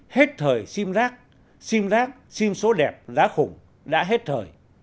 hết thời sim rác sim rác sim số đẹp giá khủng đã hết thời